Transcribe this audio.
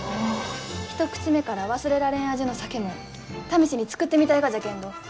一口目から忘れられん味の酒も試しに造ってみたいがじゃけんど。